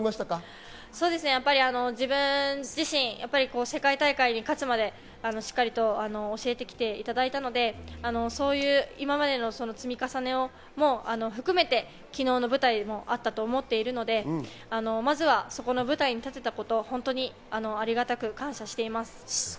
自分自身、世界大会に勝つまでしっかりと教えて来ていただいたので、今までの積み重ねを含めて、昨日の舞台もあったと思っているので、まずはそこの舞台に立てたことをありがたく感謝しています。